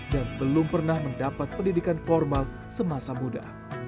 dan belum pernah mendapat pendidikan formal semasa muda